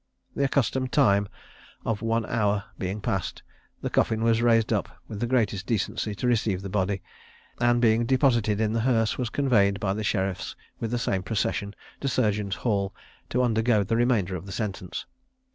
The accustomed time of one hour being past, the coffin was raised up, with the greatest decency, to receive the body; and, being deposited in the hearse, was conveyed by the sheriffs, with the same procession, to Surgeons' Hall, to undergo the remainder of the sentence.